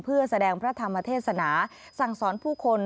เพื่อแสดงพระธรรมเทศนาสั่งสอนผู้คน